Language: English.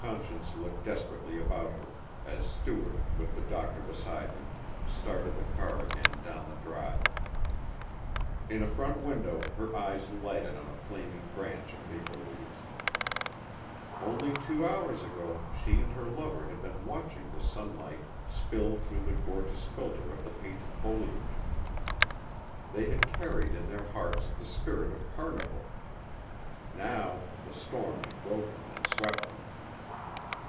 Conscience looked desperately about her, as Stuart with the doctor beside him started the car again down the drive. In a front window her eyes lighted on a flaming branch of maple leaves. Only two hours ago she and her lover had been watching the sunlight spill through the gorgeous filter of the painted foliage. They had carried in their hearts the spirit of carnival. Now the storm had broken and swept them.